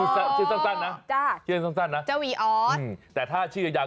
อ๋อชื่อสั้นนะจ้ะชื่อสั้นนะจ้ะวีออสอืมแต่ถ้าชื่ออย่าง